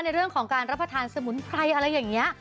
ในเรื่องของการรับประทานสมุนไพรอะไรอย่างนี้